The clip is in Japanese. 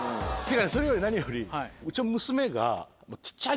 それより何よりうちの。